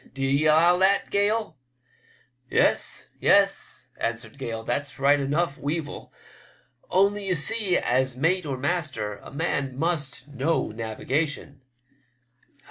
D'ye allow that. Gale ?" "Yes, yes," answered Gale, "that's right enough. Weevil ; only, you see, as mate or master a man must know navigation."